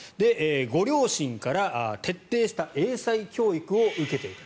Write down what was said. ご両親から徹底した英才教育を受けていた。